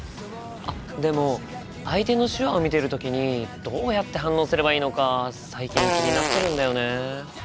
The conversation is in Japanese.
あっでも相手の手話を見てる時にどうやって反応すればいいのか最近気になってるんだよね。